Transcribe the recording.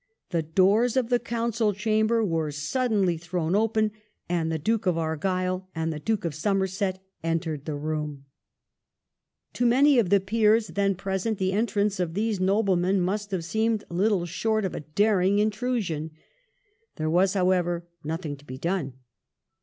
The doors of the Council chamber were suddenly thrown open and the Duke of Argyle and the Duke of Somerset entered the room. To many of the peers then present the entrance of these noblemen must have seemed little short of 358 THE REIGN OF QUEEN ANNE. ch. xxxviii. a daring intrusion. There was, however, nothing to be done.